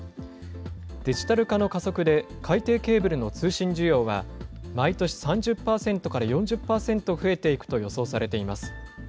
デジタル化の加速で、海底ケーブルの通信需要は、毎年３０％から４０％増えていくと予想されています。